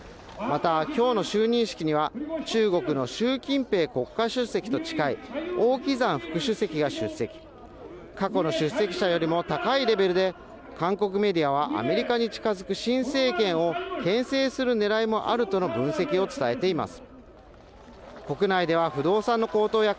きょうの就任式には中国の習近平国家主席の王岐山副首席出席過去の出席者よりも高いレベルで韓国メディアはアメリカに近づく新政権を取り込むねらいもあるとの分析を伝えています